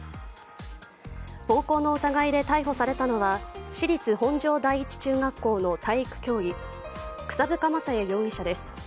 暴行の疑いで逮捕されたのは私立本庄第一中学校の体育教諭草深将也容疑者です。